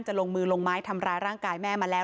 ลงมือลงไม้ทำร้ายร่างกายแม่มาแล้ว